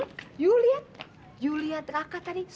memori adalah memori anda lihat tidak tadi anda lihat